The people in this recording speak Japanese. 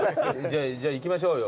じゃあ行きましょうよ。